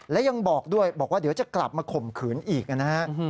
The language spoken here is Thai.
และยังบอกด้วยบอกว่าเดี๋ยวจะกลับมาข่มขืนอีกนะฮะ